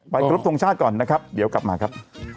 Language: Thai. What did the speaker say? ครบทรงชาติก่อนนะครับเดี๋ยวกลับมาครับ